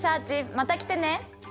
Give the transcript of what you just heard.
また来てね！